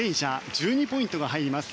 １２ポイントが入ります。